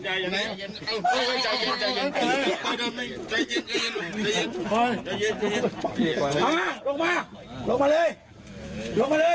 เตรียมทีต้องไม่ทำด้วยจ่ายเย็น